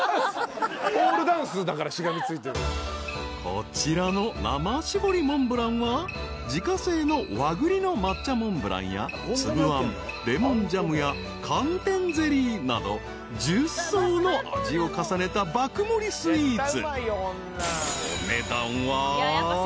［こちらの生搾りモンブランは自家製の和栗の抹茶モンブランや粒あんレモンジャムや寒天ゼリーなど１０層の味を重ねた爆盛りスイーツ］